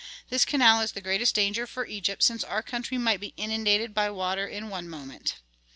This canal is the greatest danger for Egypt, since our country might be inundated by water in one moment.